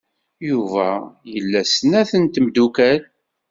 Yuba ila snat n tmeddukal.